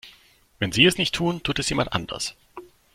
Wenn Sie es nicht tun, tut es jemand anders.